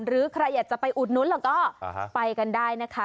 หรือใครอยากจะไปอุดนุ้นแล้วก็ไปกันได้นะคะ